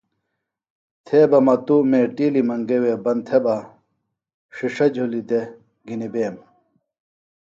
تھے بہ مہ توۡ میٹِیلیۡ منگے وے بند تھےۡ بہ ݜِݜہ جُھلیۡ دےۡ گھنیۡ بیم